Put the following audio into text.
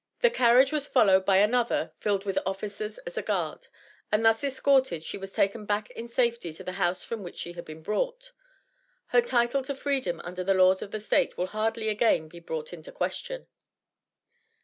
The carriage was followed by another filled with officers as a guard; and thus escorted she was taken back in safety to the house from which she had been brought. Her title to Freedom under the laws of the State will hardly again be brought into question."